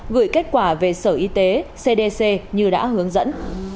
gửi kết quả về sở y tế cdc như đã hướng dẫn